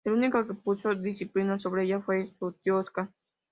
El único que puso disciplina sobre ella fue su tío Óscar.